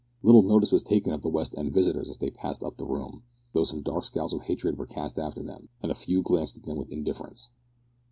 Little notice was taken of the west end visitors as they passed up the room, though some dark scowls of hatred were cast after them, and a few glanced at them with indifference.